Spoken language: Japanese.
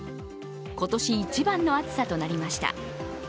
今年一番の暑さとなりました。